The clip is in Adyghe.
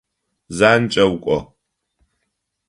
Занкӏэу кӏо!